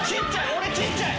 俺ちっちゃい！